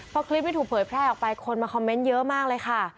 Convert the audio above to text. พอคลิปนี้ถูกเผยแพร่ออกไปคนมาคอมเมนต์เยอะมากเลยค่ะ